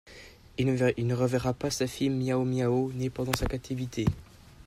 Il ne reverra pas sa fille Miao Miao, née pendant sa captivité.